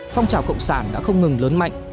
phong trào cộng sản đã không ngừng lớn mạnh